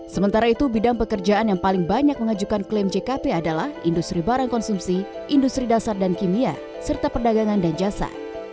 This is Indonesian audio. sementara itu bidang pekerjaan yang paling banyak mengajukan klaim jkp adalah industri barang konsumsi industri dasar dan kimia serta perdagangan dan jasa